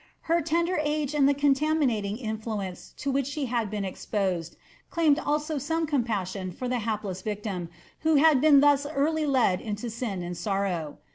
Her tender age and the contami* Bating influence to which she had been exposed claimed also some com passion for the hapless victim who had been thus early led into sin and sorrow.